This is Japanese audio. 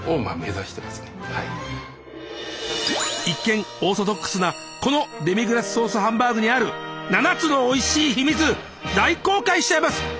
一見オーソドックスなこのデミグラスソースハンバーグにある７つのおいしい秘密大公開しちゃいます！